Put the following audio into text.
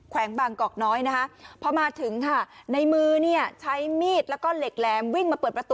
วงบางกอกน้อยนะคะพอมาถึงค่ะในมือเนี่ยใช้มีดแล้วก็เหล็กแหลมวิ่งมาเปิดประตู